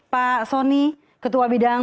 pak soni ketua bidang